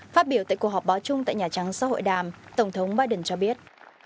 phát biểu tại cuộc họp báo chung tại nhà trắng sau hội đàm tổng thống biden cho biết